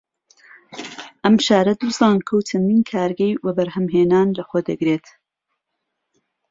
ئەم شارە دوو زانکۆ و چەندین کارگەی وەبەرهەم هێنان لە خۆ دەگرێت